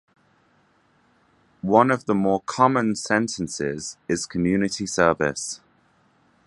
One of the more common sentences is community service.